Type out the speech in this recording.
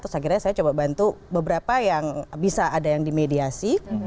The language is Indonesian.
terus akhirnya saya coba bantu beberapa yang bisa ada yang dimediasi